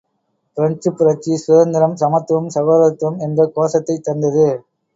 பிரெஞ்சுப் புரட்சி சுதந்திரம், சமத்துவம், சகோதரத்துவம் என்ற கோஷத்தைத் தந்தது.